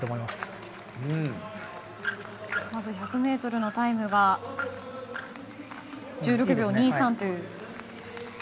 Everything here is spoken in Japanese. まず１００ｍのタイムが１６秒２３という。